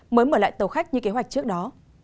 mới mở lại tàu khách như kế hoạch trước đó